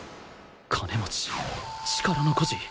金持ち力の誇示